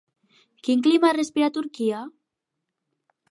Quin clima es respira a Turquia?